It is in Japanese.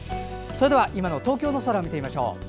それでは今の東京の空を見てみましょう。